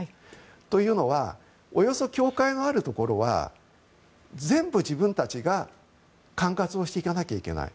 というのはおよそ教会があるところは全部自分たちが管轄をしていかなきゃいけない。